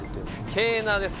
ケーナです